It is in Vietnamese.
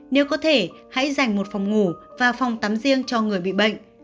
nếu có thể hãy dành một phòng ngủ và phòng tắm riêng cho người bị bệnh